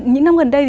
những năm gần đây